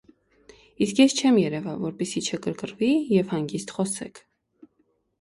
- Իսկ ես չեմ երևա, որպեսզի չգրգռվի, և հանգիստ խոսեք: